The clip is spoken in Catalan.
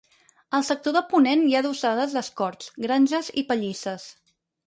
Al sector de ponent hi ha adossades les corts, granges i pallisses.